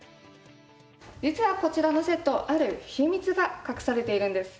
実はこちらのセットある秘密が隠されているんです。